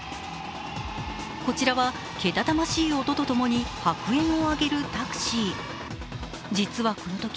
こちらはけたたましい音とともに白煙を上げるタクシー。